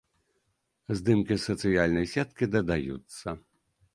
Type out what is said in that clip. Здымкі з сацыяльнай сеткі дадаюцца.